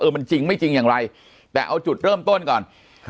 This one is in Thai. มันจริงไม่จริงอย่างไรแต่เอาจุดเริ่มต้นก่อน